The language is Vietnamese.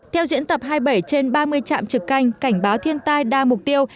theo diễn tập hai mươi bảy trên ba mươi trạm trực canh cảnh báo thiên tai đa mục tiêu